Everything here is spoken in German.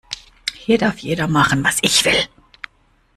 Hier darf jeder machen, was ich will.